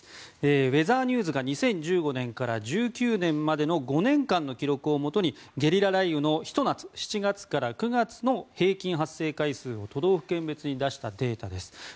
ウェザーニューズが２０１５年から２０１９年までの５年間の記録をもとにゲリラ雷雨のひと夏、７月から９月の平均発生回数を都道府県別に出したデータです。